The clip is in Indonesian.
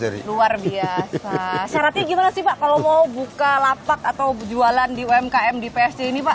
luar biasa syaratnya gimana sih pak kalau mau buka lapak atau jualan di umkm di psc ini pak